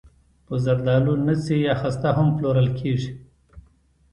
د زردالو نڅي یا خسته هم پلورل کیږي.